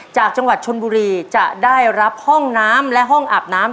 จากจังหวัดชนบุรีจะได้รับห้องน้ำและห้องอาบน้ำ